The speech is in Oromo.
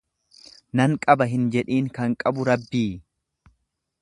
Nan qaba hin jedhiin kan qabu Rabbii.